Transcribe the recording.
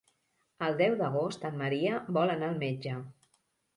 El deu d'agost en Maria vol anar al metge.